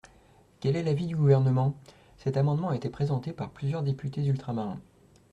Quel est l’avis du Gouvernement ? Cet amendement a été présenté par plusieurs députés ultramarins.